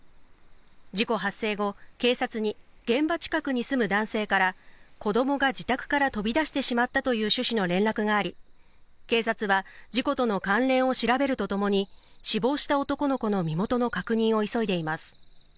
事故発生後、警察に現場近くに住む男性から、子供が自宅から飛び出してしまったという趣旨の連絡があり、警察は事故との関連を調べるとともに、死亡した男の子の身元の確認を急いでいます。